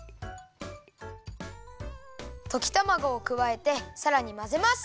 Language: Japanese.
ときたまごをくわえてさらにまぜます。